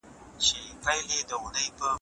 تا که وخندل هغه وخت به پسرلى سي